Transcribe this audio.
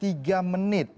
di usianya yang lebih tua